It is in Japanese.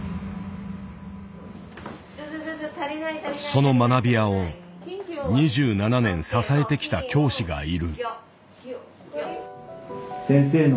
その学び舎を２７年支えてきた教師がいる。